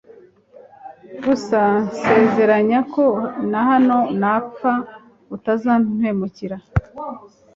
gusa nsezeranya ko naho napfa utazampemukira